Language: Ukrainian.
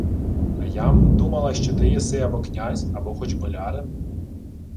— А я-м думала, що ти єси або князь, або хоч болярин.